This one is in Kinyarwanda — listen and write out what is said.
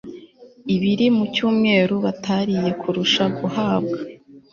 ibiri mu cyumweru batariye kurusha guhabwa